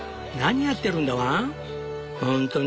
何やってるんだワン？